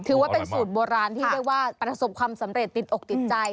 ถือว่าเป็นสูตรโบราณที่เรียกว่าประสบความสำเร็จติดอกติดใจ